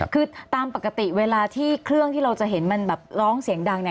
คือตามปกติเวลาที่เครื่องที่เราจะเห็นมันแบบร้องเสียงดังเนี่ย